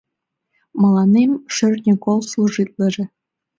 Мыланем шӧртньӧ кол служитлыже